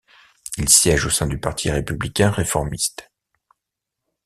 Il siège au sein du Parti républicain réformiste.